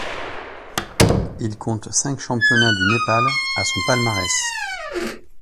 Il compte cinq championnat du Népal à son palmarès.